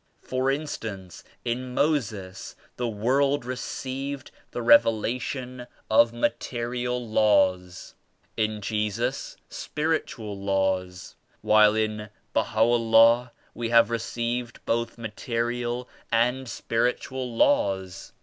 For instance, in Moses the world re ceived the Revelation of material laws; in Jesus spiritual laws; while in BahaVllah we have received both material and spiritual laws.